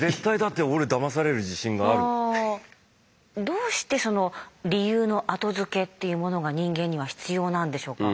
どうして理由の後付けっていうものが人間には必要なんでしょうか？